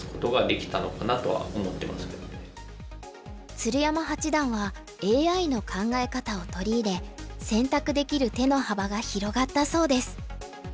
鶴山八段はＡＩの考え方を取り入れ選択できる手の幅が広がったそうです。